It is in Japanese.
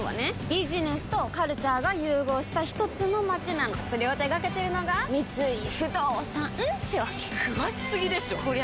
ビジネスとカルチャーが融合したひとつの街なのそれを手掛けてるのが三井不動産ってわけ詳しすぎでしょこりゃ